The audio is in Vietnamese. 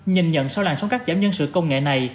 nhìn nhận sau làn sóng cắt giảm nhân sự công nghệ này